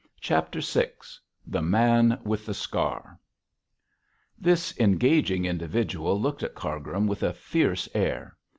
CHAPTER VI THE MAN WITH THE SCAR This engaging individual looked at Cargrim with a fierce air.